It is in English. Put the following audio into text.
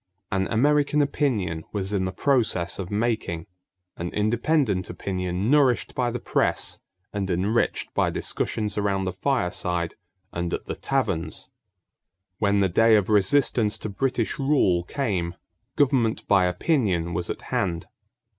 An American opinion was in the process of making an independent opinion nourished by the press and enriched by discussions around the fireside and at the taverns. When the day of resistance to British rule came, government by opinion was at hand.